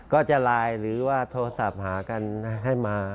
ก็จะไลน์หรือว่าโทรศัพท์หากันให้มา